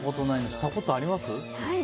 したことあります？